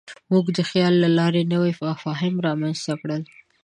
موږ د خیال له لارې نوي مفاهیم رامنځ ته کړل.